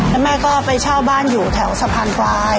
แล้วแม่ก็ไปเช่าบ้านอยู่แถวสะพานควาย